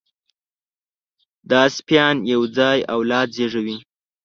دا سپيان یو ځای اولاد زېږوي.